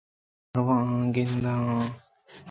من رو آن ءُ گِند آن ئِے